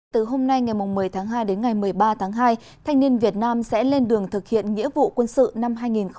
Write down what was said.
từ hôm nay ngày một mươi tháng hai đến ngày một mươi ba tháng hai thanh niên việt nam sẽ lên đường thực hiện nghĩa vụ quân sự năm hai nghìn hai mươi